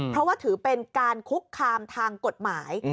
เพราะว่าถือเป็นการคุกคามทางกฎหมาย